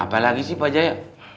apa lagi sih pak jaya